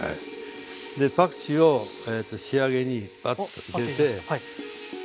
でパクチーを仕上げにパッと入れて。